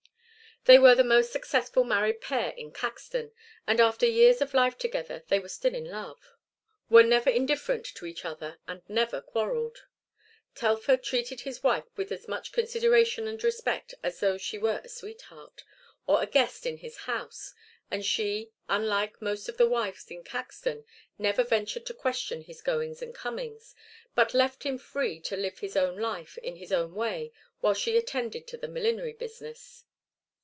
They were the most successful married pair in Caxton, and after years of life together they were still in love; were never indifferent to each other, and never quarrelled; Telfer treated his wife with as much consideration and respect as though she were a sweetheart, or a guest in his house, and she, unlike most of the wives in Caxton, never ventured to question his goings and comings, but left him free to live his own life in his own way while she attended to the millinery business.